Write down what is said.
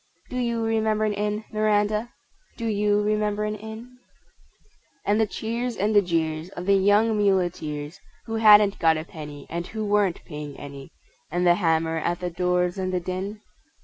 Do you remember an Inn, Miranda, Do you remember an Inn? And the cheers and the jeers of the young muleteers Who hadn't got a penny, And who weren't paying any, And the hammer at the doors and the din?